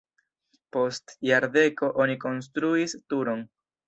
Post jardeko oni konstruis turon.